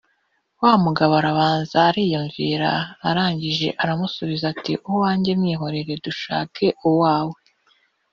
Wa mugabo arabanza ariyumviraaaa arangije aramusubiza ati “Uwanjye mwihorere dushake uwawe”